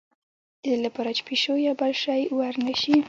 د دې لپاره چې پیشو یا بل شی ور نه شي.